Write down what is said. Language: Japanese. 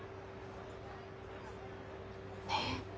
ねえ。